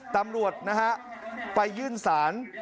ตำรวจไปยื่นสราร